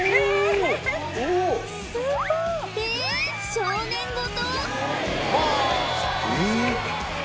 少年ごと！？